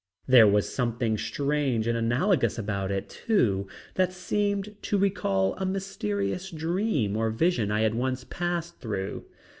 There was something strange and analogous about it, too, that seemed to recall a mysterious dream or vision I had once passed through.